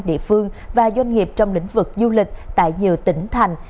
địa phương và doanh nghiệp trong lĩnh vực du lịch tại nhiều tỉnh thành